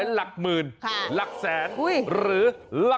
ไม่ได้นะ